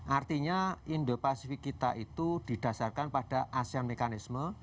artinya indo pasifik kita itu didasarkan pada asean mekanisme